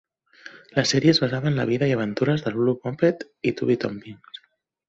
La sèrie es basava en la vida i aventures de Lulu Moppet i Tubby Tompkins.